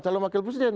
kalau wakil presiden